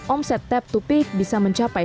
omset tap dua pick bisa mencapai